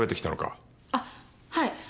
あっはい。